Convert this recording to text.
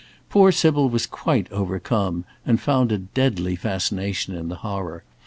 Poor Sybil was quite overcome, and found a deadly fascination in the horror.